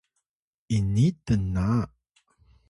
ini tna